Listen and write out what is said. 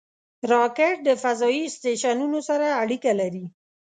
راکټ د فضایي سټیشنونو سره اړیکه لري